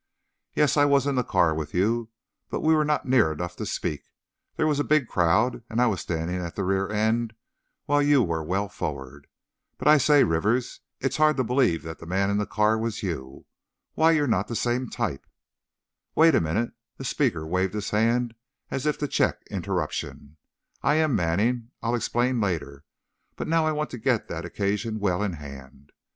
"Yes; I was in the car with you, but we were not near enough to speak. There was a big crowd, and I was standing at the rear end, while you were well forward. But I say, Rivers, it's hard to believe that man in the car was you! Why, you're not the same type " "Wait a minute," the speaker waved his hand as if to check interruption, "I am Manning, I'll explain later, but now I want to get that occasion well in hand.